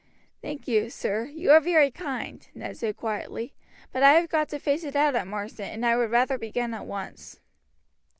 "Thank you, sir, you are very kind," Ned said quietly; "but I have got to face it out at Marsden, and I would rather begin at once."